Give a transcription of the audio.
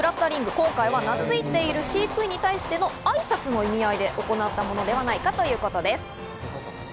今回はなついている飼育員に対してのあいさつの意味合いで行ったものではないかということです。